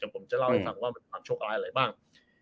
ผมจะเล่าให้ฟังว่ามันความโชคร้ายอะไรบ้าง